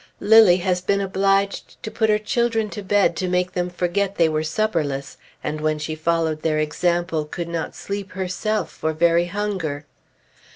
Lilly has been obliged to put her children to bed to make them forget they were supperless, and when she followed their example, could not sleep herself, for very hunger.